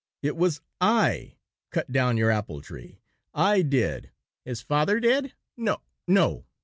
"' it was I cut down your apple tree. I did '" "His father did?" "No, no.